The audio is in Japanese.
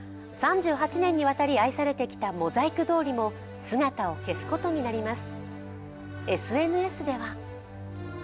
３８年にわたり愛されてきたモザイク通りも姿を消すことになります。